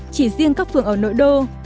chỉ riêng các phường ở nội đô